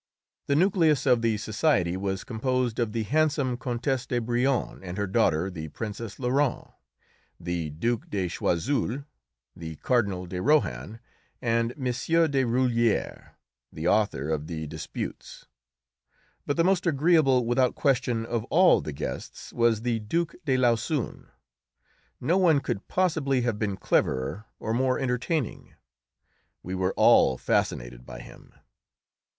The nucleus of the society was composed of the handsome Countess de Brionne and her daughter the Princess Lorraine, the Duke de Choiseul, the Cardinal de Rohan, and M. de Rulhières, the author of the "Disputes"; but the most agreeable without question of all the guests was the Duke de Lauzun; no one could possibly have been cleverer or more entertaining; we were all fascinated by him.